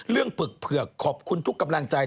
เรื่องปึกเผือกขอบคุณทุกข์กำลังใจ